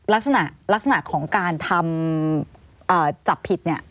ลักษณะลักษณะของการทำจับผิดเนี่ย